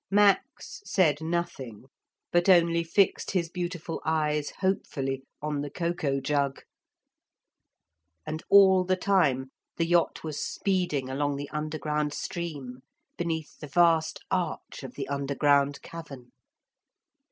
Max said nothing, but only fixed his beautiful eyes hopefully on the cocoa jug. And all the time the yacht was speeding along the underground stream, beneath the vast arch of the underground cavern.